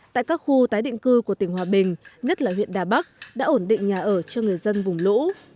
tại các khu tái định cư của tỉnh hòa bình nhất là huyện đà bắc đã ổn định nhà ở cho người dân vùng lũ